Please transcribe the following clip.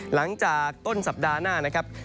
หลังจากต้นสัปดาห์หน้านะครับ